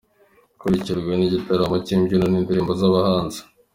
ikurikirwa n’ igitaramo cy’ imbyino n’ indirimbo z’ abahanzi.